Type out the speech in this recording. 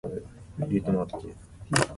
渡島当別駅